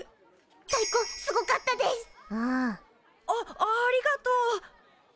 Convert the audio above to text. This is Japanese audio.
あっありがとう。